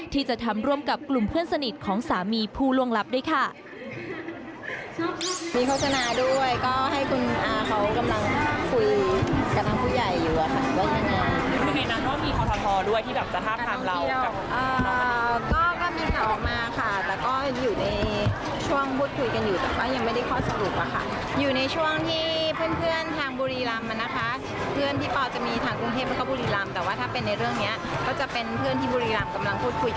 ที่จะทำร่วมกับกลุ่มเพื่อนสนิทของสามีผู้ล่วงลับด้วยค่ะ